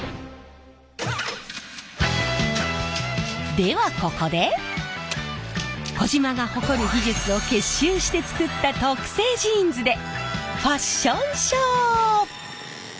ではここで児島が誇る技術を結集して作った特製ジーンズでファッションショー！